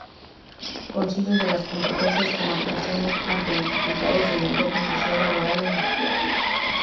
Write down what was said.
Concibe las competencias como actuaciones ante dificultades del entorno social, laboral e investigativo.